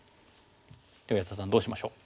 では安田さんどうしましょう？